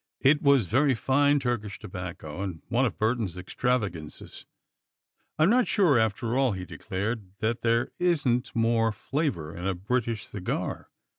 It was very fine Turkish tobacco and one of Burton's extravagances. "I am not sure, after all," he declared, "that there isn't more flavor in a British cigar."